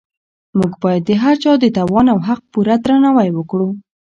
موږ باید د هر چا د توان او حق پوره درناوی وکړو.